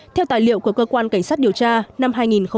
theo tài liệu của cơ quan cảnh sát điều tra năm hai nghìn một mươi tám